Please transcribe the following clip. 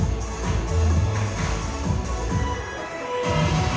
ขอบคุณครับ